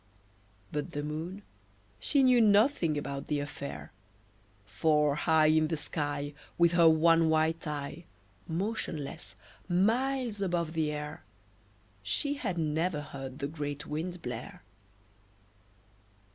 But the Moon, she knew nothing about the affair, For high In the sky, With her one white eye, Motionless, miles above the air, She had never heard the great Wind blare.